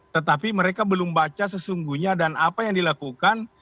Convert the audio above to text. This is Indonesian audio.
tetapi mereka belum baca sesungguhnya dan apa yang dilakukan